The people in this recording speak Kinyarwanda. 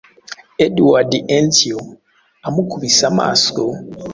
Edward Athiyo amukubise amaso,